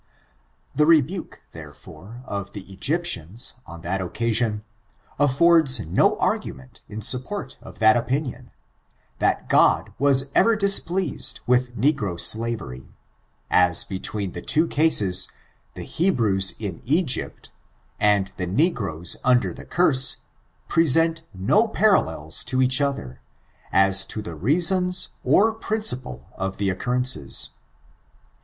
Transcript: The rebuke, therefore, of the Egyptians, on that occasion, affords no argument in support of that opin ion, that God was ever displeased with nugro skaoerff^ as, between the two cases, the Hebrews in Egypt^ and the negroes under the csurset present no parallels to each other, as to the reasons or principle of the occurrences.